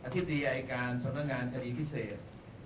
ธิบดีอายการสำนักงานคดีพิเศษ